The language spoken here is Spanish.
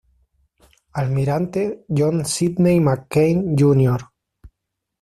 Almirante John Sidney McCain Jr.